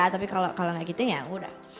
tapi kalo gak gitu ya udah